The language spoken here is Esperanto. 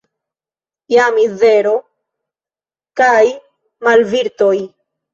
Ja mizero kaj malvirtoj.